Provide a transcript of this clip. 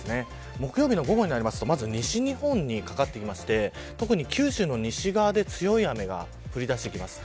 木曜日の午後になるとまず西日本にかかってきて特に九州の西側で強い雨が降りだしてきます。